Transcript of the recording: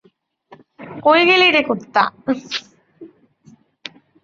কই গেলি রে কুত্তা?